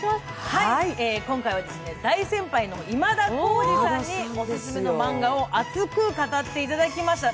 今回は大先輩の今田耕司さんにオススメのマンガを熱く語っていただきました。